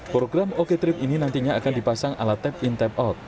program oko trip ini nantinya akan dipasang ala tap in tap out